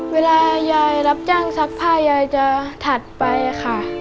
เวลายายรับจ้างซักผ้ายายจะถัดไปค่ะ